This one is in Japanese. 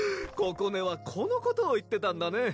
ここねはこのことを言ってたんだね